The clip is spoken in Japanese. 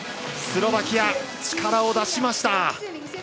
スロバキア、力を出しました。